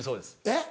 えっ？